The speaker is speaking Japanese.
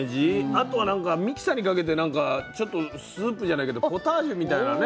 あとはなんかミキサーにかけてなんかちょっとスープじゃないけどポタージュみたいなね。